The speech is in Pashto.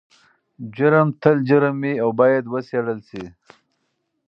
جرم تل جرم وي او باید وڅیړل شي.